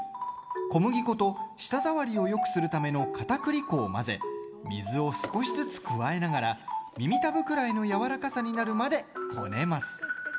小麦粉と舌触りをよくするためのかたくり粉を混ぜ水を少しずつ加えながら耳たぶくらいのやわらかさになるまでこねます。